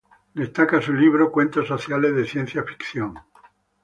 Destaca su libro "Cuentos sociales de ciencia ficción".